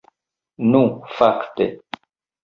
Nu fakte!